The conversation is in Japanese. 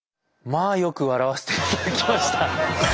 まあよく笑わせていただきました。